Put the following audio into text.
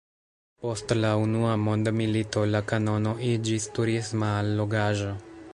Post la Unua Mondmilito la kanono iĝis turisma allogaĵo.